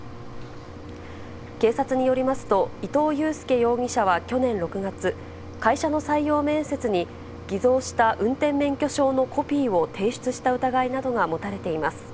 警察によりますと、伊藤佑輔容疑者は去年６月、会社の採用面接に、偽造した運転免許証のコピーを提出した疑いなどが持たれています。